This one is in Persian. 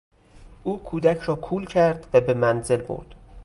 او کودک را کول کرد و به منزل برد.